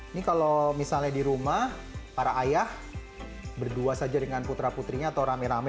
ini kalau misalnya di rumah para ayah berdua saja dengan putra putrinya atau rame rame